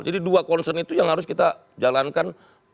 jadi dua concern itu yang harus kita jalankan